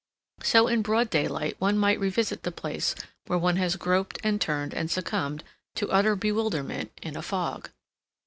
So in broad daylight one might revisit the place where one has groped and turned and succumbed to utter bewilderment in a fog.